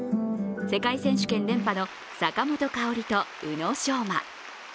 世界選手権連覇の坂本花織と宇野昌磨。